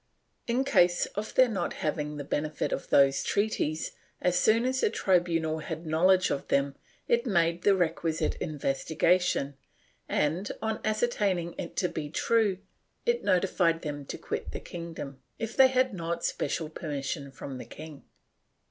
In case of their not having the benefit of those treaties, as soon as the tribunal had knowledge of them, it made the requisite investigation and, on ascertaining it to be true, it notified them to quit the kingdom, if they had not special permission from the king.